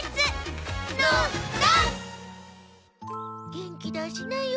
元気出しなよ